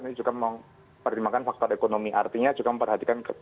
ini juga mempertimbangkan faktor ekonomi artinya juga memperhatikan